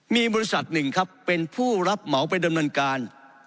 มีบริษัทหนึ่งครับเป็นผู้รับเหมาไปดำเนินการ